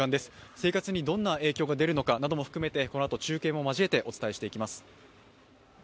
生活にどんな影響が出るのかなども含めて、このあと中継も交えてお伝えしていきます。